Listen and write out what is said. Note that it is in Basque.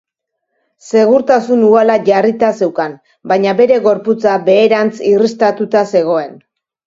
Segurtasun uhala jarrita zeukan, baina bere gorputza beherantz irristatuta zegoen.